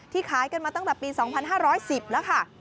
ขายกันมาตั้งแต่ปี๒๕๑๐แล้วค่ะ